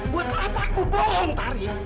buat apa aku bohong tari